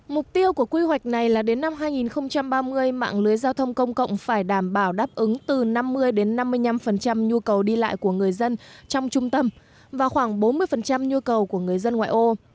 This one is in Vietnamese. mục tiêu của quy hoạch này là đến năm hai nghìn ba mươi mạng lưới giao thông công cộng phải đảm bảo đáp ứng từ năm mươi năm mươi năm nhu cầu đi lại của người dân trong trung tâm và khoảng bốn mươi nhu cầu của người dân ngoại ô